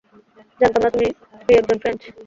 জানতাম না তুই একজন ফ্রেঞ্চ।